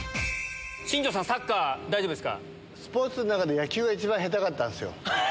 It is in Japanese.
新庄さん、スポーツの中で、野球が一番下手だったんですよ。